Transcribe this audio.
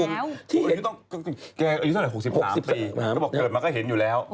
อายุเท่าไหร่๖๓ปีเขาบอกเกิดมาก็เห็นอยู่แล้ว